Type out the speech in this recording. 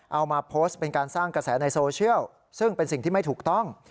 เอามาโพสต์เป็นการสร้างกระแสในโซเชียลซึ่งเป็นสิ่งที่ไม่ถูกต้อง